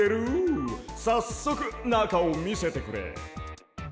さっそくなかをみせてくれ。